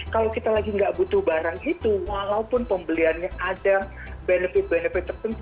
kalau kita lagi nggak butuh barang itu walaupun pembeliannya ada benefit benefit tertentu